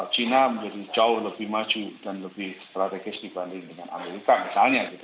china menjadi jauh lebih maju dan lebih strategis dibanding dengan amerika misalnya gitu